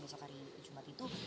besok hari jumat itu